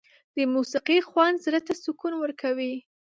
د موسيقۍ خوند زړه ته سکون ورکوي.